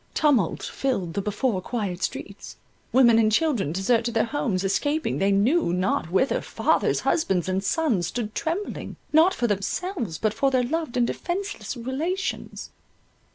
Tumult filled the before quiet streets—women and children deserted their homes, escaping they knew not whither—fathers, husbands, and sons, stood trembling, not for themselves, but for their loved and defenceless relations.